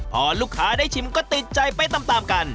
พอลูกค้าได้ชิมก็ติดใจไปตามกัน